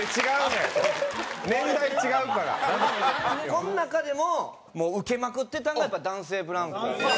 この中でもウケまくってたんがやっぱり男性ブランコ。